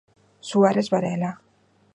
Suárez Varela.